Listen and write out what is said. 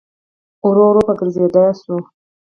ورو ورو په ګرځېدا سو.